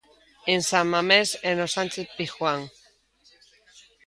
En San Mamés e no Sánchez Pizjuán.